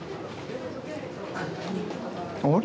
あれ？